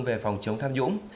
về phòng chống tham nhũng